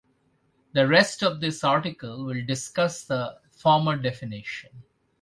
The rest of this article will discuss the former definition.